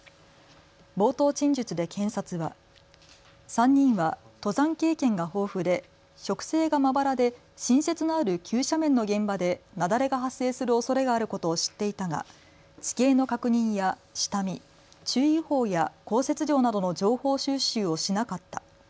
冒頭陳述で検察は３人は登山経験が豊富で植生がまばらで新雪のある急斜面の現場で雪崩が発生するおそれがあることを知っていたが地形の確認や下見、注意報や降雪量などの情報収集をしなかった。